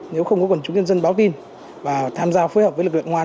nếu không có quân chúng nhân dân báo tin và tham gia phối hợp với lực lượng công an